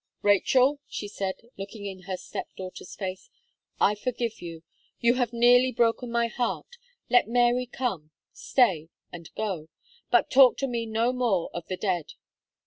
"Rachel," she said, looking in her step daughter's face, "I forgive you. You have nearly broken my heart. Let Mary come, stay, and go; but talk to me no more of the dead.